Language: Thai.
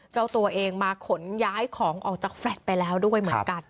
เจ้าตัวเองมาขนย้ายของออกจากแฟลตไปแล้วด้วยเหมือนกัน